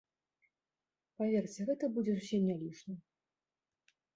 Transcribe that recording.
Паверце, гэта будзе зусім не лішнім.